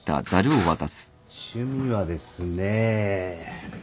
趣味はですね。